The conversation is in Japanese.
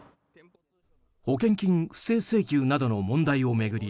保険金不正請求などの問題を巡り